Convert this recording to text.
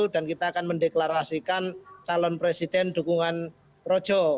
dan kita akan mendeklarasikan calon presiden dukungan projose